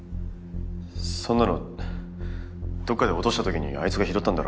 そんなのどっかで落としたときにあいつが拾ったんだろ。